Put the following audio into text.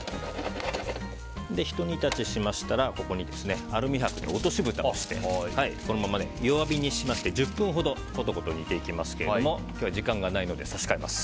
ひと煮立ちしましたらアルミ箔で落としぶたをしてそのまま弱火にしまして１０分ほどことこと煮ていきますけども今日は時間がないので差し替えます。